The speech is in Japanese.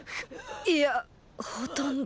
いやほとんど。